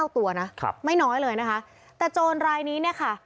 ตัวนะครับไม่น้อยเลยนะคะแต่โจรรายนี้เนี่ยค่ะ